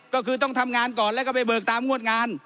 ก็คือต้องทำงานก่อนแล้วก็ไปเบิกตามงวดงาน